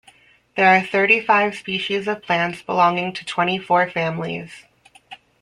There are thirty five species of plants belonging to twenty four families.